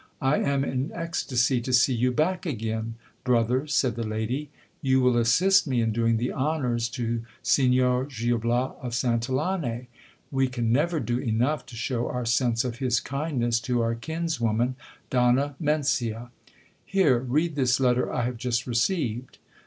I am in ecstacy to see you back again, brother, said the lady ; you will assist me in doing the honours to Signor Gil Bias of Santillane. We can never do enough to show our sense of his kindness to our kinswoman, Donna Mencia. Here, read this letter I have just received.